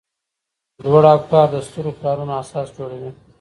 لوړ افکار د سترو کارونو اساس جوړوي.